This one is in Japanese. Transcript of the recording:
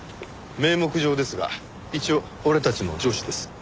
名目上ですが一応俺たちの上司です。